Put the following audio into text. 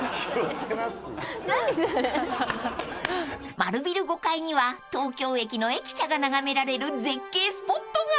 ［丸ビル５階には東京駅の駅舎が眺められる絶景スポットが］